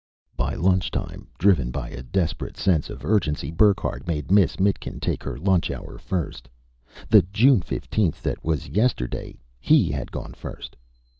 By lunchtime, driven by a desperate sense of urgency, Burckhardt made Miss Mitkin take her lunch hour first the June fifteenth that was yesterday, he had gone first.